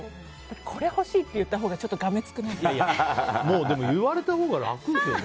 これ欲しいって言ったほうがでも言われたほうが楽ですよね。